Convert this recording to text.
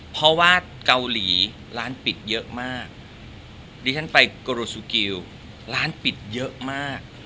เพราะว่าเกาหลีร้านปิดเยอะมากดิฉันไปโกโรสุกิลร้านปิดเยอะมาก